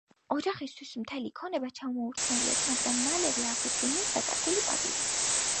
ოჯახისათვის მთელი ქონება ჩამოურთმევიათ, მაგრამ მალევე აღუდგენიათ დაკარგული პატივი.